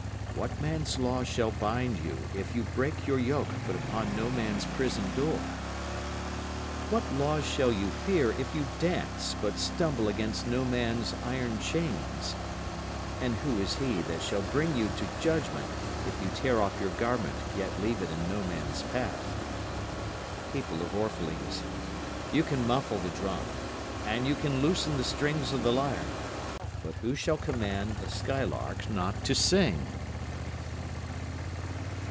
What man's law shall bind you if you break your yoke but upon no man's prison door? What laws shall you fear if you dance but stumble against no man's iron chains? And who is he that shall bring you to judgment if you tear off your garment yet leave it in no man's path? People of Orphalese, you can muffle the drum, and you can loosen the strings of the lyre, but who shall command the skylark not to sing?